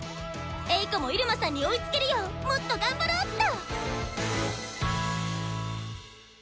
エイコもイルマさんに追いつけるようもっと頑張ろうっと！